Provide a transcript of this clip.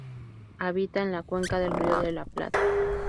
Habita en la cuenca del Río de la Plata.